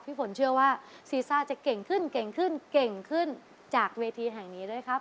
พี่ฝนเชื่อว่าซีซ่าจะเก่งขึ้นจากเวทีแห่งนี้ด้วยครับ